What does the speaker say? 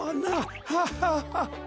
ハハハ。